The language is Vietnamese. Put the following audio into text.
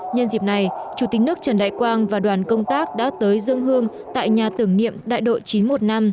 nhân dịp này chủ tịch nước trần đại quang và đoàn công tác đã tới dân hương tại nhà tưởng niệm đại độ chín trăm một mươi năm